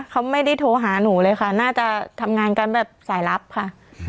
เขาไม่ได้โทรหาหนูเลยค่ะน่าจะทำงานกันแบบสายลับค่ะ